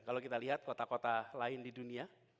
kalau kita lihat kota kota lain di dunia